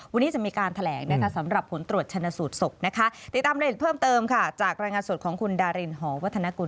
วันนี้จะมีการแถลงนะคะสำหรับผลตรวจชนะสูตรศพนะคะติดตามรายละเอียดเพิ่มเติมค่ะจากรายงานสดของคุณดารินหอวัฒนกุล